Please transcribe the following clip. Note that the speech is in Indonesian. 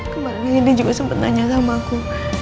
kemarin dia juga sempet nanya sama aku